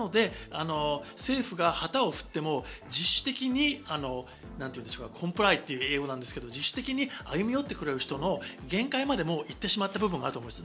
なので政府が旗を振っても自主的にコンプライという英語ですけど、自主的に歩み寄ってくれる人の限界まで行ってしまった部分があると思います。